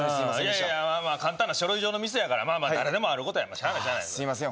いやいやまあまあ簡単な書類上のミスやからまあまあ誰でもあることやしゃあないしゃあないすいません